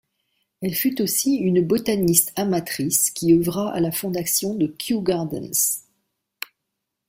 Elle fut aussi une botaniste amatrice qui œuvra à la fondation de Kew Gardens.